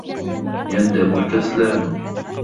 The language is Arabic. يَنْدَمُ الْكَسْلاَنُ.